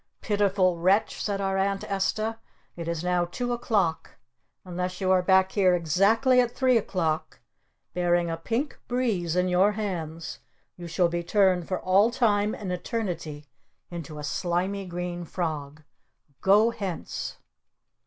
"Pitiful Wretch!" said our Aunt Esta. "It is now two o'clock. Unless you are back here exactly at three o'clock bearing a Pink Breeze in your hands you shall be turned for all time and eternity into a Slimy Green Frog! Go hence!"